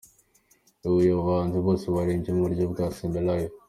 I Huye aba bahanzi bose baririmbye mu buryo bwa Semi-Live.